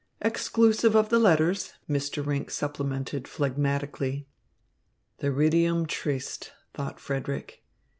"Exclusive of the letters," Mr. Rinck supplemented phlegmatically. "Theridium triste," thought Frederick.